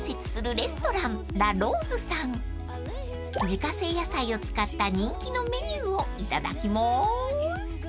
［自家製野菜を使った人気のメニューをいただきます］